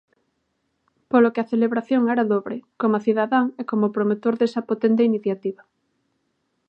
Polo que a celebración era dobre, coma cidadán e como promotor desa potente iniciativa.